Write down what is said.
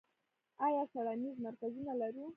آیا څیړنیز مرکزونه لرو؟